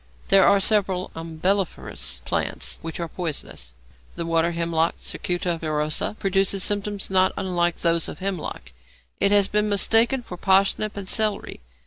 There are several other umbelliferous plants which are poisonous. The water hemlock (Cicuta virosa) produces symptoms not unlike those of hemlock; it has been mistaken for parsnip and celery.